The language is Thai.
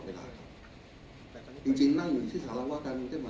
ก็ผิดแล้วนะครับผมขอเรียนแค่นี้ครับส่วนการชื่นแจงจะทำไปอย่างต่อเนื่องครับ